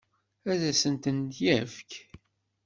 Ad asent-ten-yefk?